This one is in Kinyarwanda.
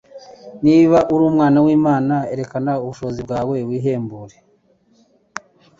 "Niba uri Umwana w'Imana" erekana ubushobozi bwawe wihembure.